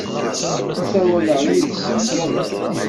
Ssawaleɣ yid-sen yal ass.